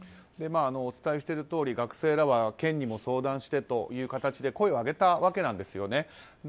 お伝えしているとおり県にも相談してという形で声を上げたわけなんですね。